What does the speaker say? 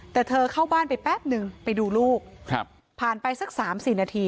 แต่เธอเข้าบ้านไปแป๊บนึงไปดูลูกผ่านไปสัก๓๔นาที